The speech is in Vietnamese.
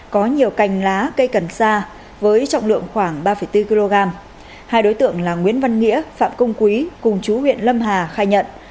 có nhiều cành lá cây cần sa với trọng lượng khoảng ba bốn kg hai đối tượng là nguyễn văn nghĩa phạm công quý cùng chú huyện lâm hà khai nhận